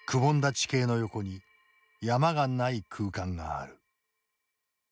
地形の横に山がない空間がある。